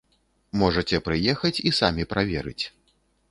Можаце прыехаць і самі праверыць.